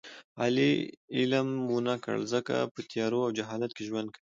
علي علم و نه کړ ځکه په تیارو او جهالت کې ژوند کوي.